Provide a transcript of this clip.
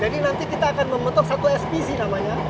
jadi nanti kita akan membentuk satu spz namanya